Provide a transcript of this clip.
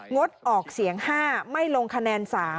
งดออกเสียง๕ไม่ลงคะแนน๓